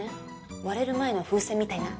割れる前の風船みたいな。